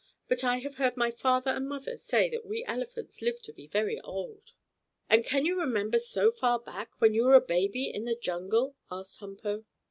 "But I have heard my father and mother say that we elephants live to be very old." "And can you remember so far back, when you were a baby in the jungle?" asked Humpo.